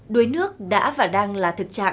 đối nước đã và đang là thực trạng